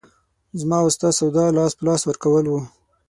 زما او ستا سودا لاس په لاس ورکول وو.